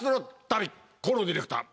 高野ディレクター